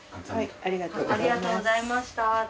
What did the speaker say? ありがとうございましたって。